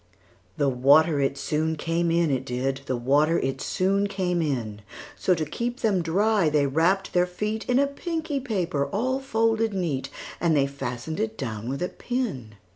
The water it soon came in, it did; The water it soon came in:So, to keep them dry, they wrapp'd their feetIn a pinky paper all folded neat:And they fasten'd it down with a pin.